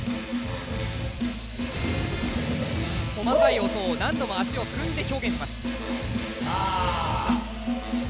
細かい音を何度も足を踏んで表現します。